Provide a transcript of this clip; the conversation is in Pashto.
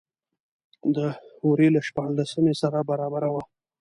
د وري له شپاړلسمې سره برابره وه.